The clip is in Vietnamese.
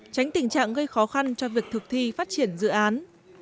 tránh tình trạng gây khó khăn cho việc thực thi phát triển dự án